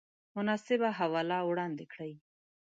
مناسبه حواله وړاندې کړئ